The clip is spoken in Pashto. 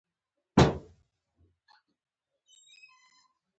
په نتیجه کې یې عصبي پیغامونه تولید او مغز ته لیږدول کیږي.